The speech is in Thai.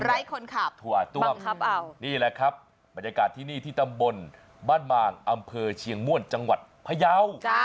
ไร้คนขับถั่วต้วมนี่แหละครับบรรยากาศที่นี่ที่ตำบลบ้านมางอำเภอเชียงม่วนจังหวัดพยาว